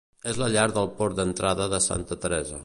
És la llar del port d'entrada de Santa Teresa.